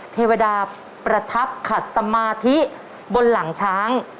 เทวดาประทับขัดสมาธิบนหลังช้าง